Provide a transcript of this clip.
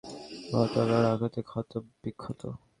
তখন তার শরীর আশির অধিক তীর ও তলোয়ারের আঘাতে ক্ষত-বিক্ষত।